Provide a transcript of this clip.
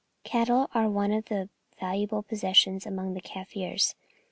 Cattle are the one valuable possession of the Kaffirs.